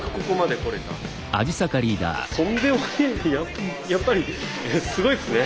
とんでもないやっぱりすごいっすね。